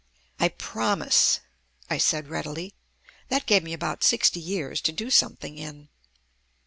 "I promise," I said readily. That gave me about sixty years to do something in.